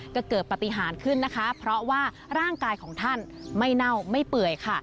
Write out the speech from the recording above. ก็เกิดปฏิหารขึ้นนะคะเพราะว่าร่างกายของท่านไม่เน่าไม่เปื่อยค่ะ